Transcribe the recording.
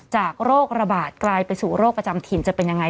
โรคระบาดกลายไปสู่โรคประจำถิ่นจะเป็นยังไง